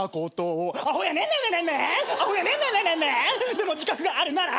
「でも自覚があるなら」